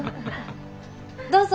どうぞ。